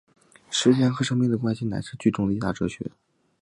时间和生命的关系乃是剧中的一大哲学。